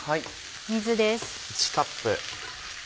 水です。